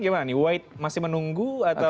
gimana nih white masih menunggu atau